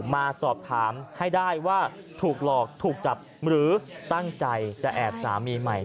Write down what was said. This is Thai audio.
มาสอบถามให้ได้ว่าถูกหลอกถูกจับหรือตั้งใจจะแอบสามีใหม่